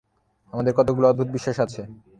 আমাদের কতকগুলি অদ্ভুত বিশ্বাস আছে।